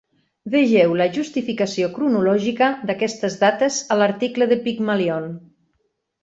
Vegeu la justificació cronològica d'aquestes dates a l'article de Pygmalion.